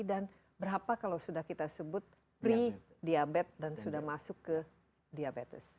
dan berapa kalau sudah kita sebut pre diabetes dan sudah masuk ke diabetes